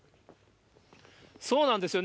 そうなんですよね。